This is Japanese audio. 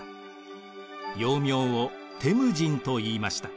幼名をテムジンといいました。